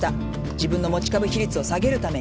自分の持ち株比率を下げるために。